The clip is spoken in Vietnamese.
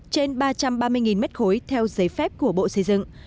trên ba trăm ba mươi m ba theo giấy phép của bộ xây dựng